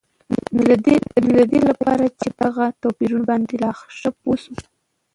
نو ددي لپاره چې په دغه توپيرونو باندي لا ښه پوه شو